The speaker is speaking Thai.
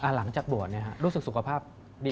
หลังจากบวชรู้สึกสุขภาพดี